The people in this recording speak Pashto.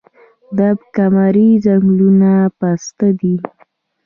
د اب کمري ځنګلونه پسته دي